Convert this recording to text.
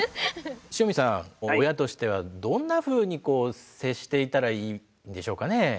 汐見さん親としてはどんなふうに接していったらいいんでしょうかね？